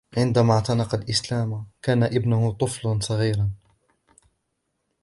عندما اعتنق الإسلام ، كان ابنه طفلاً صغيراً